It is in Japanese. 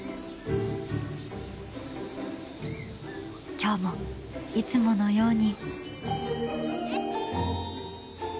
今日もいつものように。